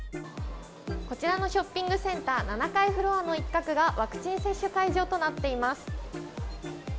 こちらのショッピングセンター、７階フロアの一角がワクチン接種会場となっています。